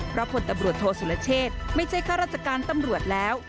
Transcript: เพราะผลตำรวจโทษสุรเชษไม่ใช่ข้าราชการตำรวจแล้ว